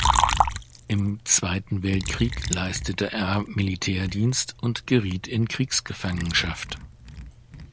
Im Zweiten Weltkrieg leistete er Militärdienst und geriet in Kriegsgefangenschaft.